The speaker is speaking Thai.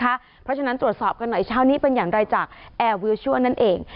เพราะฉะนั้นตรวจสอบกันหน่อยเช้านี้เป็นอย่างไรจากแอร์วิวชัวร์นั่นเอง